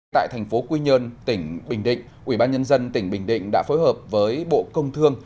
tại thành phố quy nhơn tỉnh bình định ubnd tỉnh bình định đã phối hợp với bộ công thương